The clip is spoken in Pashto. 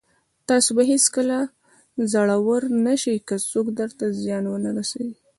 تاسو به هېڅکله زړور نسٸ، که څوک درته زيان ونه رسوي.